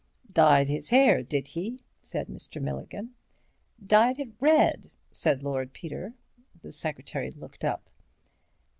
"Dyed his hair, did he?" said Mr. Milligan. "Dyed it red," said Lord Peter. The secretary looked up.